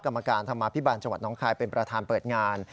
กรรมการธรรมาภิบาลจังหวัดน้องคายเป็นประธานเปิดงาน